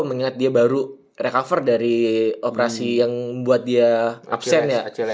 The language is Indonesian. mengingat dia baru recover dari operasi yang membuat dia absen ya